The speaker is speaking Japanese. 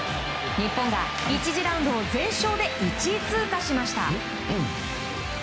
日本が１次ラウンドを全勝で１位通過しました。